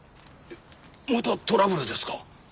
またトラブルですか？